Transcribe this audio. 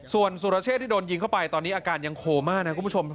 ส่วนสุรเชษที่โดนยิงเข้าไปตอนนี้อาการยังโคม่านะคุณผู้ชม